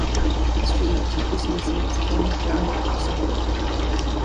This treatment is increasingly seen as a form of gerontocracy.